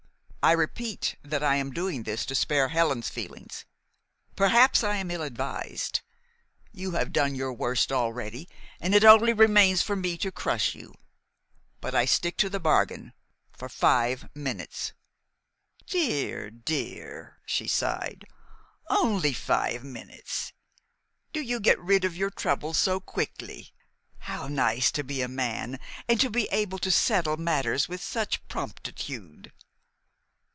I repeat that I am doing this to spare Helen's feelings. Perhaps I am ill advised. You have done your worst already, and it only remains for me to crush you. But I stick to the bargain for five minutes." "Dear, dear!" she sighed. "Only five minutes? Do you get rid of your troubles so quickly? How nice to be a man, and to be able to settle matters with such promptitude."